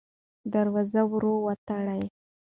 دروازه ورو وتړئ.